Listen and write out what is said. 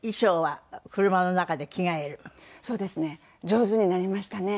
上手になりましたね。